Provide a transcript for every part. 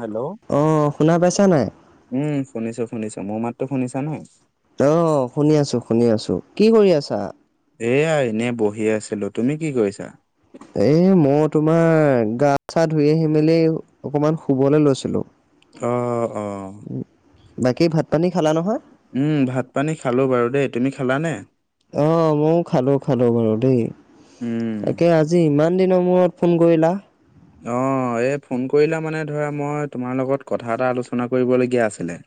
Hello. অ', শুনা পাইছা নাই? উম শুনিছো শুনিছো, মোৰ মাততো শুনিছা নহয়। অ', শুনি আছো, শুনি আছো, কি কৰি আছা? এয়া এনে বহি আছিলো, তুমি কি কৰিছা? এ মই তোমাৰ, গা চা ধুই আহি মেলি, অকমান শুবলৈ লৈছিলো। অ অ বাকী ভাত-পানী খালা নহয়? উম ভাত-পানী খালোঁ বাৰু দেই, তুমি খালানে? অ মও খালোঁ খালোঁ বাৰু দেই উম। তাকে আ জি ইমান দিনৰ মূৰত ফোন কৰিলা অঁ এই ফোন কৰিলা মানে ধৰা মই তোমাৰ লগত কথা এটা আলোচনা কৰিবলগীয়া আছিলে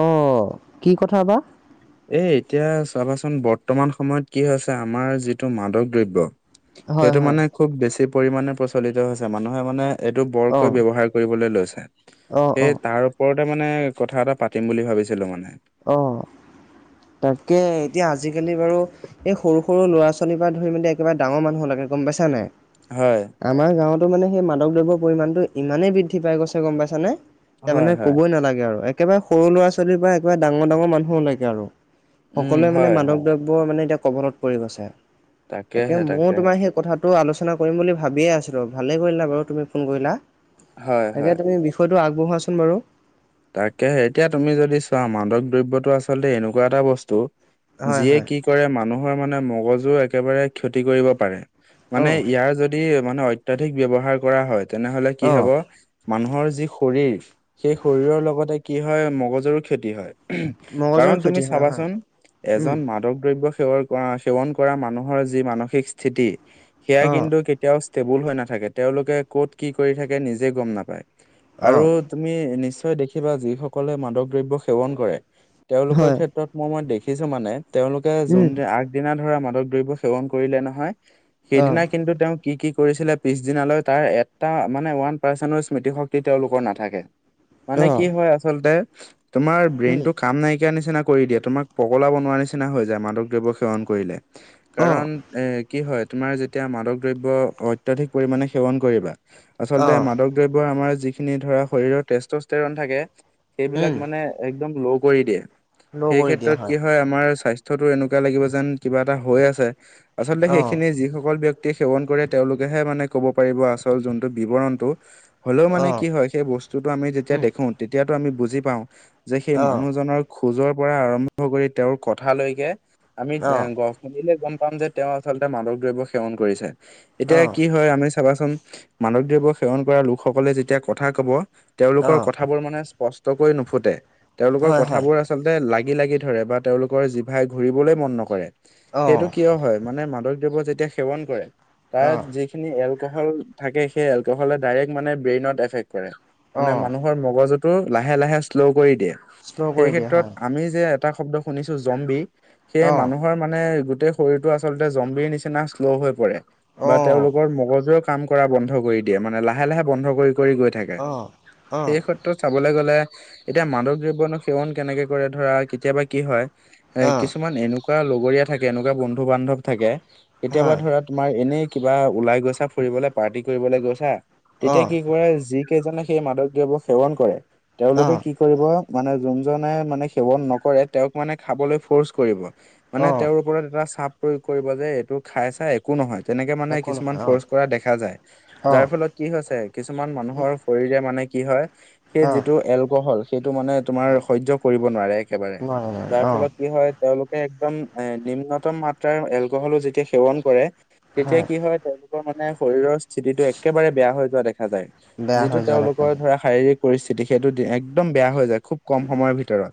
অঁ কি কথা বা? এ এতিয়া চাবাচোন বৰ্তমান সময়ত কি হৈছে আমাৰ যিটো মাদক দ্ৰব্য হয় সেইটো হয়। মানে খুব বেছি পৰিমণে প্ৰচলিত হৈছে মানুহে মানে এইটো বৰকৈ অ', ব্যৱহাৰ কৰিবলৈ লৈছে। অ', অ', সেই তাৰ ওপৰতে মানে কথা এটা পাতিম বুলি ভাবিছিলোঁ মানে। অ তাকে এতিয়া আজিকালি বাৰু এই সৰু সৰু ল'ৰা ছোৱালী পা ধৰি মেলি একেবাৰে ডাঙৰ মানুহ লেকে গম পাইছা নাই? হয় আমাৰ গাঁৱতো মানে সেই মাদক দ্ৰৱ্যৰ পৰিমাণটো ইমানেই বৃদ্ধি পাই গৈছে গম পাইছানে? এতিয়া মানে হয়, হয়। ক'বই নালাগে আৰু একেবাৰে সৰু ল'ৰা-ছোৱালীৰ পৰা একেবাৰে ডাঙৰ ডাঙৰ মানুহ লৈকে আৰু উম, সকলোৱে মানে হয়, মাদক হয়, দ্ৰব্য মানে এতিয়া কবলত পৰি গৈছে। তাকে তাকেহে, মউ তাকেহে, তোমাৰ সেই কথাত টো আলোচনা কৰিম বুলি ভাবিয়ে আছিলোঁ ভালে কৰিলা বাৰু তুমি ফোন কৰিলা। হয়, তাকে হয়। তুমি বি ষয়টো আগবঢ়োৱাচোন বাৰু তাকেহে এতিয়া তুমি যদি চোৱা মাদক দ্ৰব্যটো আচলতে এনেকুৱা এটা বস্তু হয় যিয়ে হয় কি কৰে মানুহৰ মানে মগজু একেবাৰে ক্ষতি কৰিব পাৰে মানে অ'। ইয়াৰ য দি মানে অত্যাধিক ব্যয়ৱহাৰ কৰা হয় তেনেহলে কি হব অ' মানুহৰ যি শৰীৰ সেই শৰীৰৰ লগতে কি হয় মগজৰো ক্ষতি হয় মগজুৰ কাৰণ তুমি ক্ষতি হয় হয় চাবাচোন উম এজন মাদক দ্ৰব্য সেৱক তোমা সেৱন কৰা মানুহৰ যি মানসিক স্থিতি সেয়া অ' কিন্তু কেতিয়াও ষ্টেবুল হৈ নাথাকে, তেওঁলোকে ক'ত কি কৰি থাকে নিজে গম নাপায় আৰু অ' তুমি নি তই দেখিবা যিসকলে মাদক দ্ৰব্য সেৱন কৰে তেওঁলোকৰ হয় ক্ষেত্ৰত মই মই দেখিছো মানে তেওঁলোকে যোন উম আগদিনা ধৰা মাদক দ্ৰব্য সেৱন কৰিলে নহয় অ' সেইদিনা কিন্তু তেওঁ কি কি কৰিছিলে পিছদিনালৈ তাৰ এটা মানে ওৱান পাৰ্চেনো স্মৃতিশক্তি তেওঁলোকৰ নাথাকে মানে অ' কি হয় আচলতে তোমাৰ উম ব্ৰেইনটো কাম নাইকিয়া নিচিনা কৰি দিয়ে তোমাক পগলা বনোৱা নিচিনা হৈ যায় মাদক দ্ৰব্য সেৱন কৰিলে অ' কাৰণ এ কি হয় তুমাৰ যেতিয়া মাদক দ্ৰব্য অত্যাধিক পৰিমানে সেৱন কৰিবা আচলতে অ' মাদক দ্ৰব্য আমাৰ যিখিনি ধৰা শৰীৰৰ তেষ্ট স্তেৰণ থাকে সেইবিলাক উম মানে একদম ল' কৰি দিয়ে ল' সেই কৰি দিয়া ক্ষেত্ৰত কি হয় তোমাৰ স্বাস্থ্যটো এনেকুৱা লাগিব যেন কিবা এটা হৈ আছে আচলতে অ'। সেইখিনি যিসকল ব্য ক্তি সেৱন কৰে তেওঁলোকেহে মানে ক'ব পাৰিব আচল যোনটো বিৱৰণটো হলেও মানে অ', কি হয় সেই বস্তুতটো আমি যেতিয়া উম, দেখো তেতিয়াটো আমি বুজি পাওঁ যে সেই অ', মানুহজনৰ খোজৰ পৰা আৰম্ভ কৰি তেওঁৰ কথালৈকে আমি এ অ', গ দেখিলে গম পাম যে তেওঁ আচলতে মাদক দ্ৰব্য সেৱন কৰিছে এতিয়া অ', কি হয় আমি চাবাচোন মানক দ্ৰব্য সেৱন কৰা লোকসকলে যেতিয়া কথা কব তেওঁলোকক অ', কথাবোৰ মানে স্পষ্টকৈ নুফুটে তেওঁলোকৰ হয়, হয়, কথাবোৰ আ চলতে লাগি লাগি ধৰে বা তেওঁলোকৰ জিভাই ঘূৰিবলৈ মন নকৰে সেইটো অ', কিয় হয় মানে মাদক দ্ৰব্য যেতিয়া সেৱন কৰে তাৰ অ', যি খিনি এলকহল থাকে সেই এলকহলে দাইৰেক্ট মানে ব্ৰেইনৰ এফেষ্ট কৰে মানে মা অ', মগজুটো লাহে লাহে শ্ল' কৰি দিয়ে শ্ল' সেই কৰি দিয়ে ক্ষেত্ৰত হয়, আমি যে এটা শব্দ শুনিছো জম্বি সেই মানুহ অ', মানুহৰ মানে গোটেই শৰীৰটো আচল জম্বিৰ নিচিনা শ্ল' হৈ পৰে বা তেওঁলোক অ', লোকৰ মগজুৱে কাম কৰা বন্ধ কৰি দিয়ে মানে লাহে লাহে বন্ধ কৰি গৈ থাকে অ সেই অ', ক্ষে ত্ৰত চাবলৈ গলে এতিয়া মাদক দ্ৰব্যনো সেৱন কেনেকে কৰে ধৰা কেতিয়াবা কি হয় এ কিছুমান এনেকুৱা লগৰীয়া থাকে এনেকুৱা বন্ধু বান্ধৱ থাকে কেতিয়াবা হয়, ধৰা তোমাৰ এনেই কিবা ওলাই গৈছা ফুৰিবলে পাৰ্টি কৰিবলে গৈছা তেতিয়া অ', কি কৰে যি কেইজনে সেই মাদক দ্ৰৱ্য সেৱন কৰে তেওঁলোকে অ', কি কৰিব মানে যোনজনে মানে সেৱন নকৰে তেওঁক মানে খাবলৈ ফৌচ কৰিব মানে অ', তেওঁৰ ওপৰত এটা চাপ প্ৰয়োগ কৰিব যে এইটো খাই চাই একো নহয় তেনেকে মানে একো কিছুমান নহয় ফৰ্চ অ', কৰা দেখা যায় যাৰ অ', ফলত কি হৈছে কিছুমান উম, মানুহৰ শৰীৰে মানে কি হয় সেই অ', যিটো এলকহল সেইটো মানে তোমাৰ হয়, সহ্য কৰিব নোৱাৰে একেবাৰে নোৱাৰে, নোৱাৰে যাৰ অ', ফলত কি হয় তেওঁলোকে একদম এ নিম্নতম মাত্ৰাৰ এলকহলো যেতিয়া সেৱন কৰে তেতিয়া কি হয় তেওঁলোকৰ মানে শৰীৰৰ স্থিতিটো একেবাৰে বেয়া হৈ যোৱা দেখা যায় বেয়া যিটো হৈ যোৱা তেওঁলোক দেখা যায়, শাৰীৰিক পৰিস্থিতি সেইটো একদম বেয়া হৈ যায় খুব কম সময়ৰ ভিতৰত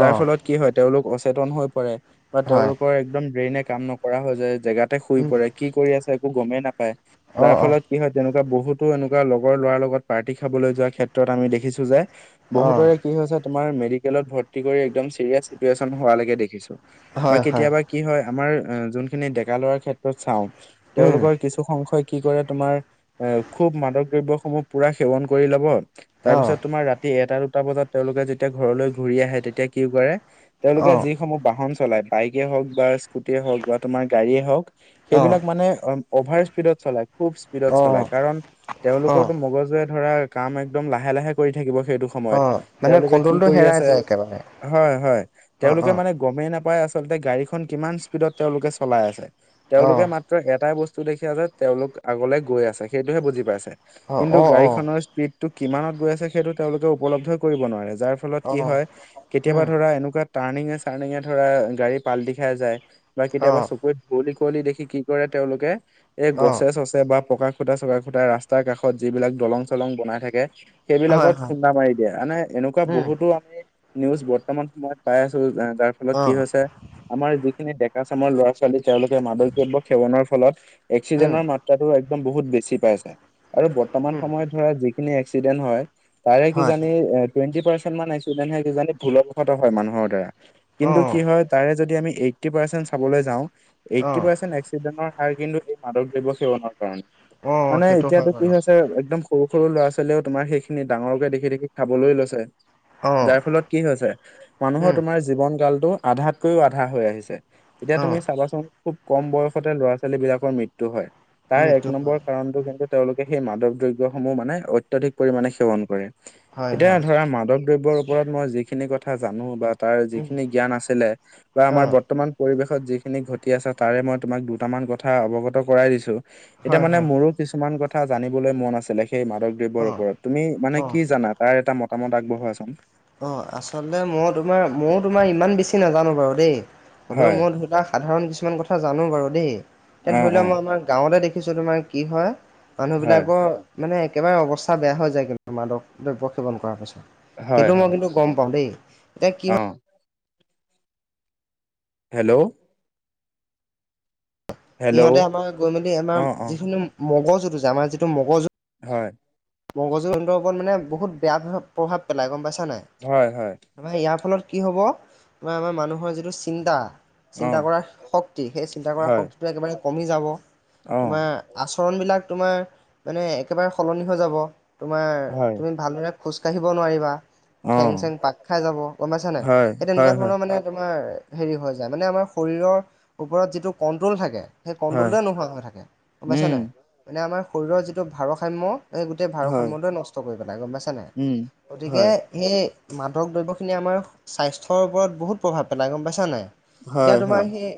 যাৰ অ', ফলত কি হয় তেওঁলোক অচেতন হৈ পৰে বা হয়, তেওঁলোকৰ একদম ড্ৰেইনে কাম নকৰা হয় যে জেগাত তে শুই উম, পৰে কি কৰি আছে একো গমেই নাপায় যাৰ অ', অ', ফলত কি হয় তেনেকুৱা বহুতো এনেকুৱা লগৰ লৰাৰ লগত পাৰ্টি খাবলৈ যোৱাৰ ক্ষেত্ৰত আমি দেখিছো যে অ', বহুতৰে কি হৈছে তোমাৰ মেডিকেলত ভৰ্তি কৰি একদম চিৰিয়াছ চিটেন হোৱা লেকে দেখিছোঁ বা হয়, হয়, কেতিয়াবা কি হয় আমাৰ যোনখিনি ডেকা লৱাৰ ক্ষেত্ৰত চাওঁ উম, তেওঁলোকৰ কিছু সংখ্যই কি কৰে তোমাৰ এ খুব মাদক দ্ৰব্যসমূহ পুৰা সেৱন কৰি ল'ব তাৰ অ', পিছত তোমাৰ ৰাতি এটা দুটা বজাত তেওঁলোকে যেতিয়া ঘৰলৈ ঘূৰি আহে তেতিয়া কি কৰে তেওঁলোকে অ', যিসমূহ বাহন চলাই বাইকে হওক বা স্কুটিয়ে হওক বা তোমাৰ গাড়ীয়েই হওক অ', সেইবিলাক মানে অভাৰ স্পীডত চলাই খুব স্পীডত অ', চলাই কাৰণ অ', তেওঁলোকৰোতো মগজুৱে ধৰা কাম একদম লাহে লাহে কৰি থাকিব সেইটো সময়ত অ', মানে তেওঁলোকে কি কণ্ট্ৰলটো কৰি হেৰাই আছে যায় একেবাৰে, হয় হয় অ', তেওঁলোকে অ', মানে গমেই নাপাই আচলতে গাড়ীখন কিমান স্পীডত তেওঁলোকে চলাই আছে অ', তেওঁলোকে মাত তৰ এটাই বস্তু দেখিয়া যে তেওঁলোক আগলে গৈ আছে সেইটোহে বুজি পাইছে অ কিন্তু অ অ গাড়ীখন স্পীডটো কিমানত গৈ আছে সেইটো তেওঁলোকে উপলব্ধ কৰিব নোৱাৰে যাৰ ফলত অ কি হয় কেতিয়াবা উম ধৰা এনেকুৱা টাৰ্ণিঙে চাৰ্ণিঙে ধৰা গাড়ী পালদি খাই যায় বা অ কেতিয়াবা চকুত ধুৱঁলি খুুৱলি দেখি কি কৰে তেওঁলোকে এই অ গছে চছে বা পকা খুটা চকা খুটা ৰাস্তাৰ কাষত যিবিলাক দলং চলং বনাই থাকে হয় সেইবিলাকত হয় খুন্দা মাৰি দিয়ে মানে এনেকুৱা উম বহুতো আমি নিউজ বৰ্তমান সময়ত পাই আছো যাৰ ফলত অ কি হৈছে আমাৰ যিখিনি ডেকা চামৰ ল'ৰা ছোৱালী তেওঁলোকে মাদক দ্ৰব্য সেৱনৰ ফলত উম এক্সিজেনৰ মাত ত্ৰাটো একদম বহুত বেছি পাইছে আৰু বৰ্তমান উম সময়ত ধৰা যিখিনি এক্সিডেন্ট হয় তাৰে হয় কিজানি টুৱেণ্টি পাৰ্চেণ্ট মানহে একচিজেন কিজানি ভুলবশত হয় মানুহৰ দ্বাৰা অ কিন্তু কি হয় তাৰে যদি আমি এইটটি পাৰচেন্ট চাবলৈ যাওঁ অ এইটটি পাৰচেন্টে একচি ডেনৰ হাৰ কিন্তু এই মাদক দ্ৰব্য সেৱনৰ কাৰণে অ মানে সেইটো হয় এতিয়াটো কি বাৰু হৈছে একদম সৰু সৰু ল'ৰা ছোৱালীয়েও তোমাৰ সেইখিনি ডাঙৰকে দেখি দেখি খাবলৈ লৈছে অ যাৰ ফলত কি হৈছে মানুহৰ উম তোমাৰ জীৱন কালটো আধাতকৈও আধা হৈ আহিছে এতিয়া অ তুমি চাবাচোন খুব কম বয়সতে ল'ৰা ছোৱালী বিলাকৰ মৃত্যু হয় তাৰ এক মৃত্যু নম্বৰ হয় কাৰণটো কিন্তু তেওঁলোকে সেই মাদক দ্ৰব্যসমূহ মানে অত্যাধিক পৰিমাণে সেৱন কৰে হয় হয় এতিয়া ধৰা মাদক দ্ৰব্যৰ ওপৰত মই যিখিনি কথা জানো বা তাৰ উম যিখিনি জ্ঞান আছিলে বা অ আমাৰ বৰ্তমান পৰিৱেশত যিখিনি ঘটি আছে তাৰে মই তোমাক দুটামান কথা অৱগত কৰাই দিছো এতিয়া হয় মানে হয় মোৰো কিছুমান কথা জানিবলৈ মন আছিলে সেই মাদক অ ৰ ওপৰত তুমি মানে অ কি জানা তাৰ এটা মতামত আগবঢ়োৱা চোন অ আচলতে মই তোমাৰ ময়ো তোমাৰ ইমান বেছি নাজানো বাৰু দেই হলেও হয় মই ধৰিলোৱা সাধাৰণ কিছুমান কথা জানো বাৰু দেই অ', তে ধৰি লোৱা অ', মই আমাৰ গাঁৱতে দেখিছো তোমাৰ কি হয় হয়, মানুহবিলাকৰ মানে একেবাৰে অৱস্থা বেয়া হৈ যায় কিন্তু মাদক দ্ৰব্য সেৱন কৰাৰ পাছত হয়, সেইটো মই হয়, কিন্তু গম পাওঁ দেই এতিয়া কি হয় অ', হেল্ল' সিহঁতে হেল্ল', আমাৰ গৈ মেলি আমাৰ অ', অ', যিখিনি মগজুতু যে আমাৰ যিটো মগজু হয় মগজুৰ লগত মানে বহুত বেয়া প্ৰভাৱ পেলাই গম পাইছা নাই হয় হয় মানে ইয়াৰ ফলত কি হ'ব আমাৰ মানুহৰ যিটো চিন্তা চিন্তা অ', কৰাৰ শক্তি সেই চিন্তা কৰাৰ হয়, শক্তিটোৱে একেবাৰে কমি যাব অ', তোমাৰ আচৰণ বিলাক তোমাৰ মানে একেবাৰে সলনি হৈ যাব তোমাৰ হয়, তুমি ভালদৰে খোজকাঢ়িব নোৱাৰিবা ঠেং চেং অ', পাক খাই যাব গম পাইছা নাই হয়, সেই তেনেকুৱা হয়, হয়, ধৰণৰ মানে তোমাৰ হেৰি হৈ যায় মানে আমাৰ শৰীৰৰ ওপৰত যিটো কণ্ট্ৰল থাকে সেই হয়, কণ্ট্ৰলটোৱে নোহোৱা হৈ থাকে গম পাইছা উম, নাই মানে আমাৰ শৰীৰৰ যিটো ভাৰসাম্য এই গোটেই হয়, ভাৰসাম্যটোৱে নষ্ট কৰি পেলাই গম পাইছে নাই উম, গতিকে হয়, সেই মাদক দ্ৰব্যখিনি আমাৰ স্বাস্থ্যৰ ওপৰত বহুত প্ৰভাৱ পেলাই গম পাইছা নাই এতিয়া হয়, তোমাৰ হয়, সেই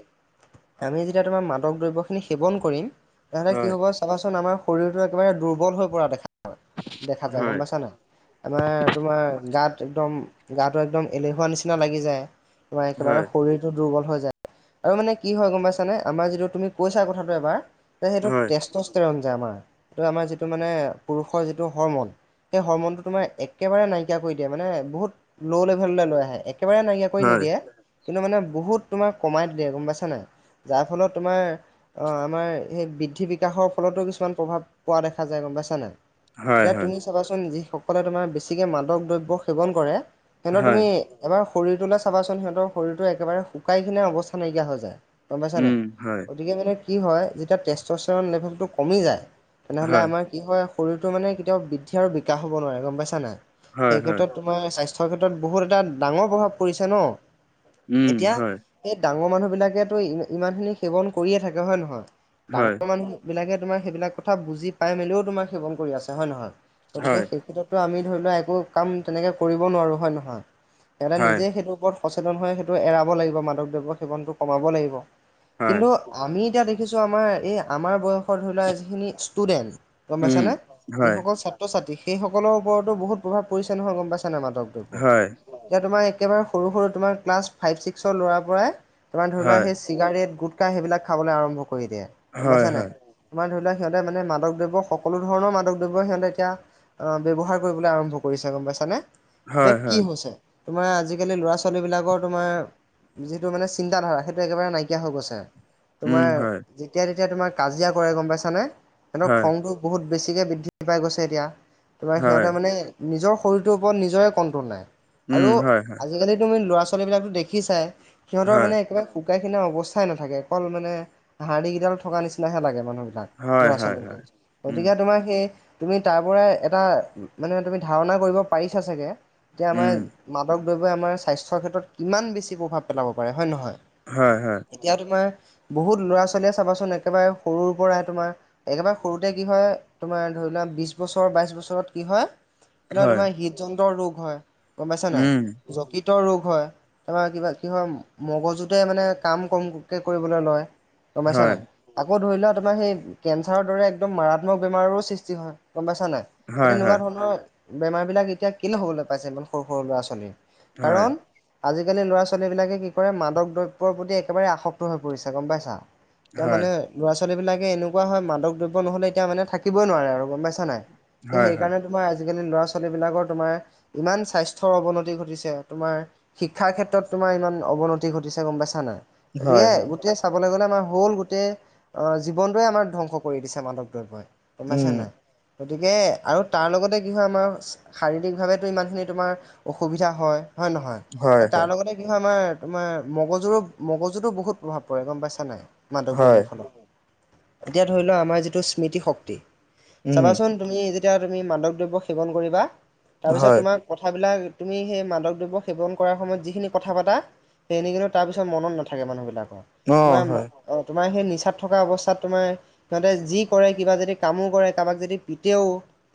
আমি যেতিয়া তোমাৰ মাদক দ্ৰব্য খিনি সেৱন কৰিম তেনেহলে কি হয়, হব চাবাচোন আমাৰ শৰীৰটো একেবাৰে দুৰ্বল হৈ পৰা দেখা দেখা যায় গম হয়, পাইছা নাই আমাৰ তোমাৰ গাত একদম গাটো একদম এলেহুৱা নিচিনা লাগি যায় তোমাৰ একেবাৰে হয়, শৰীৰ টো দুৰ্বল হৈ যায় আৰু মানে কি হয় গম পাইছানে আমাৰ যিটো তুমি কৈছা কথাটো এবাৰ সেইটো হয়, তেষ্ট স্তৰণ যে আমাৰ সেইটো আমাৰ যিটো মানে পুৰুষৰ যিটো হৰৰ্মন সেই হৰমনটো তোমাৰ একেবাৰে নাইকিয়া কৰি দিয়ে মানে বহুত ল' লেভেললে লৈ আহে একেবাৰে নাইকিয়া কৰি হয়, নিদিয়ে কিন্তু মানে বহুত তোমাৰ কমাই দিলে গম পাইছা নাই যাৰ ফলত তোমাৰ অ আমাৰ সেই বৃদ্ধি বিকাশৰ ফলতো কিছুমান প্ৰভাৱ পোৱা দেখা যায় গম পাইছা নাই হয়, এতিয়া তুমি হয়, চাবাচোন যিসকলে তোমাৰ বেছিকে মাদক দ্ৰব্য সেৱন কৰে সিহঁতৰ হয়, তুমি এবাৰ শৰীৰটোলৈ চাবাচোন সিহঁতৰ শৰীৰটো একেবাৰে শুকাই খিনাই অৱস্থা নাইকিয়া হৈ যায় গম পাইছা নাই উম, হয়, গতিকে মানে কি হয় যেতিয়া টেষ্ট স্তৰন লেভেলটো কমি যায় তেনেহ'লে হয়, আমাৰ কি হয় শৰীৰটো মানে কেতিয়াও বৃদ্ধি আৰু বিকাশ হ'ব নোৱাৰে গম পাইছা নাই হয়, সেই হয়, ক্ষেত্ৰত আমাৰ স্বাস্থ্যৰ ক্ষেত্ৰত বহুত এটা ডাঙৰ প্ৰভাৱ পৰিছে ন উম, এতিয়া হয়, সেই ডাঙৰ মানুহ বিলাকেতো ই ইমান খিনি সেৱন কৰিয়ে থাকে হয় নহয় হয়, ডাঙৰ মানুহ বিলাকে তোমাৰ সেইবিলাক কথা বুজি পাই মেলিও তোমাৰ সেৱন কৰি আছে হয় নহয় গতিকে সেই আমি ধৰি লোৱা একো কাম তেনেকে কৰিব নোৱাৰো হয় নহয় সিহঁতে নিজে সেইটোৰ ওপৰত সচেতন হৈ সেইটো এৰাব লাগিব মাদক দ্ৰব্য সেৱনটো কমাব লাগিব হয়, হয়, কিন্তু আমি এতিয়া দেখিছো আমাৰ এই আমাৰ বয়সত ধৰিলোৱা যিখিনি ষ্টুডেণ্ট হয়, গম উম, পাইছানে? হয়, যিসকল। ছা ছাত্ৰ-ছাত্ৰী সেইসকলৰ ওপৰতো বহুত প্ৰভাৱ পৰিছে নহয় গম পাইছে নাই মাদক দ্ৰব্য। হয়, এতিয়া তোমাৰ একেবাৰে সৰু সৰু তোমাৰ ক্লাছ ফাইভ ছিক্সৰ ল'ৰা পৰাই তোমাৰ ধৰি লোৱা হয়, সেই চিগাৰেট, গুটকাই সেইবিলাক খাবলৈ আৰম্ভ কৰি দিয়ে গম হয়, পাইছা নাই। হয়, তোমাৰ ধৰি লোৱা সি সিহঁতে মানে মকদ্ৰব্য সকলো ধৰণৰ মাদক্ৰব্য সিহঁতে এতিয়া আহ ব্যৱহাৰ কৰিবলৈ আৰম্ভ কৰিছে গম পাইছানে, যে হয়, কি হয়, হৈছে তোমাৰ আজিকালি ল'ৰা ছোৱালীবিলাকৰ তোমাৰ যিটো মানে চিন্তাধাৰা সেইটো একেবাৰে নাইকিয়া হৈ গৈছে। উম, তোমাৰ হয়, যেতিয়া তেতিয়া তোমাৰ কাজিয়া কৰে গম পাইছানে, সিহঁতকৰ হয়। খংটো বহুত বেছিকৈ বৃদ্ধি পাই গৈছে এতিয়া, তোমাৰ হয়, সিহঁতে মানে নিজৰ শৰীৰটোৰ ওপৰত নিজৰে কণ্ট্ৰল নাই উম, আৰু হয়, হয়, আজিকালিতো মানে ল'ৰা ছোৱালীবিলাকো দেখি চাই সিহঁতৰ হয়, মানে একেবাৰে শুকাই-খিনাই অৱস্থাই নাথাকে অকল মানে হাৰডি কেইডাল থকা নিচিনাহে লাগে মানুহবিলাক। হয়, হয়, হয়, ল'ৰা-ছোৱালীবিলাক। উম, গতিকে তোমাৰ সেই তুমি তাৰ পৰা এটা মানে তুমি ধাৰণা কৰিব পাৰিছা চাগে, যে উম, আমাৰ মাদক দ্ৰৱই আমাৰ স্বাস্থ্যৰ ক্ষেত্ৰত কিমান বেছি প্ৰভাৱ পেলাব পাৰে হয় নহয়? হয় হয়। এতিয়া তোমাৰ বহুত ল'ৰা-ছোৱালীয়ে চাবাচোন একেবাৰে সৰুৰ পৰাই তোমাৰ একেবাৰে সৰুতে কি হয়, তোমাৰ ধৰি লোৱা বিশ বছৰ বাইশ বছৰত কি হয় এনে হয়, তোমাৰ হৃদ যন্ত্ৰ ৰোগ হয়, গম পাইছা নাই, উম, যকৃত ৰোগ হয়। তাৰপৰা কিবা কি হয় মগজুতে মানে কাম কমকে কৰিবলৈ লয়। গম পইছা হয়, নাই? আকৌ ধৰি লোৱা তোমাৰ সেই কেঞ্চাৰৰ দৰে একদম মাৰাত্মক বেমাৰৰো সৃষ্টি হয় গম পাইছা নাই। সেই হয়, তেনেকুৱা হয়, ধৰণৰ বেমাৰ বিলাক এতিয়া কিনে হ'বলৈ পাইছে ইমান সৰু সৰু ল'ৰা ছোৱালীৰ? হয়, কাৰণ আজিকালি ল'ৰা-ছোৱালী বিলাকে কি কৰে মাদক দ্ৰব্যৰ প্ৰতি একেবাৰে আসক্ত হৈ পৰিছে গম পাইছা। এতিয়া হয়, মানে ল'ৰা-ছোৱালীবিলাকে এনেকুৱা হয় মাদক দ্ৰব্য নহ'লে এতিয়া মানে থাকিবই নোৱাৰে আৰু গম পাইছা নাই। হয়, হয়, সেইকাৰণে তোমাৰ আজিকালি ল'ৰা-ছোৱালী বিলাকৰ তোমাৰ ইমান স্বাস্থ্যৰ অৱনতি ঘটিছে তোমাৰ শিক্ষাৰ ক্ষেত্ৰত তোমাৰ ইমান অৱনতি ঘটিছে গম পাইছানা নাই। হয়, গতিকে হয়, গোটেই চাবলৈ গ'লে আমাৰ হ'ল গোটেই জীৱনটোৱে আমাক ধ্বংস কৰি দিছে মাদক দ্ৰব্যই। গম উম, পইছা নাই। গতিকে আৰু তাৰ লগতে কি হয় আমাৰ শাৰীৰিকভাৱেতো ইমানখিনি তোমাৰ অসুবিধা হয়, হয় নহয়? হয়, তাৰ হয়, লগতে কি হয় আমাৰ, তোমাৰ মগজুৰো মগজুতো বহুত প্ৰভাৱ পৰে গম পাইছা নাই? হয়, মাদকদ্ৰৱৰ ফলত। এতিয়া ধৰি লও আমাৰ যিটো স্মৃতি শক্তি উম, চাবাচোন তুমি যেতিয়া তুমি মাদক দ্ৰব্য সেৱন কৰিবা, তাৰপিছত হয়, তোমাৰ কথাবিলাক তুমি সেই মাদক দ্ৰব্য সেৱন কৰাৰ সময়ত যিখিনি কথা পতা সেইখিনে কিন্তু তাৰ পিছত মনত নাথাকে মানুহ বিলাকৰ, অ', হয়, তোমাৰ তোমাৰ সেই নিচাত থকা অৱস্থাত তোমাৰ সিহঁতে যি কৰে কিবা যদি কামো কৰে কাৰোবাক যদি পিটও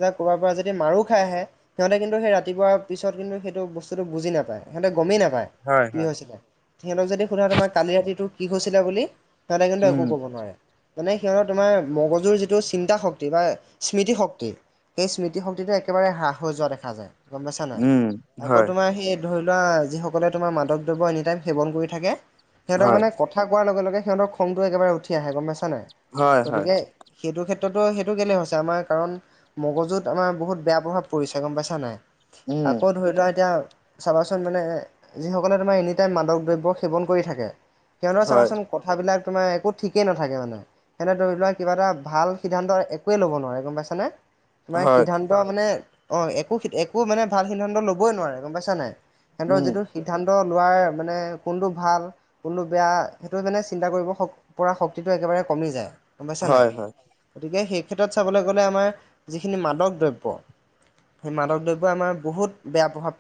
য ক'ৰবাৰ পৰা যদি মাৰো খাই আহে, সিহঁতে কিন্তু সেই ৰাতিপুৱাৰ পিছত কিন্তু সেইটো বস্তুটো বুজি নাপায়, সিহঁতে গমেই নাপায়। হয়, কি হয়, হৈছিলে। সিহঁতক যদি সোধা তোমাৰ কালি ৰাতিটো কি হৈছিলা বুলি সিহঁতে কিন্তু উম, একো ক'ব নোৱাৰে। মানে সিহঁতৰ তোমাৰ মগজুৰ যিটো চিন্তা শক্তি বা স্মৃতিশক্তি সেই স্মৃতিশক্তিটো একেবাৰে হ্ৰাস হৈ যোৱা দেখা যায় গম পাইছা নাই। উম, আকৌ হয়, তোমাৰ সেই ধৰিলোৱা, যি সকলে তোমাৰ মাদক দ্ৰৱ্য এনিটাইম সেৱন কৰি থাকে। সিহঁতক হয়, মানে ক থা কোৱাৰ লগে লগে সিহঁতৰ খংটো একেবাৰে উঠি আহে। গম পাইছা নাই? হয়, হয়, গতিকে, সেইটো ক্ষেত্ৰতো, সেইটো কেলে হৈছে আমাৰ কাৰণ মগজুত আমাৰ বহুত বেয়া প্ৰভাৱ পৰিছে গম পাইছা নাই? উম, আকৌ ধৰিলোৱা এতিয়া চাবাচোন মানে যিসকলে তোমাৰ এনিটাইম মাদক দ্ৰব্য সেৱন কৰি থাকে। সিহঁতক হয়, চাবাচোন কথাবিলাক তোমাৰ একো ঠিকেই নাথাকে মানে। এনে ধৰিলোৱা কিবা এটা ভাল সিদ্ধান্ত একোৱে ল'ব নোৱাৰে গম পাইছ নে? তোমাৰ হয়, সিদ্ধান্ ন্ত মানে, অ একো একো মানে ভাল সিদ্ধান্ত ল'বই নোৱাৰে। গম পাইছা নাই? সিহঁতৰ উম, যিটো সিদ্ধান্ত লোৱাৰ মানে কোনটো ভাল কোনটো বেয়া সেইটো মানে, চিন্তা কৰিব পৰা শক্তিটো একেবাৰে কমি যায়। গম পাইছা নাই? হয়, হয়। গতিকে, সেই ক্ষেত্ৰত চাবলে গ'লে আমাৰ যিখিনি মাদক দ্ৰব্য সেই মাদক দ্ৰব্যই আমাৰ বহুত বেয়া প্ৰভাৱ পেলাই।